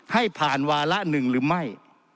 ให้ผ่านวาระหนึ่งหรือไม่